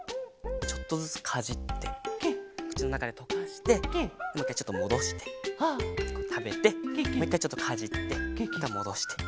ちょっとずつかじってくちのなかでとかしてもういっかいちょっともどしてたべてもういっかいちょっとかじってまたもどして。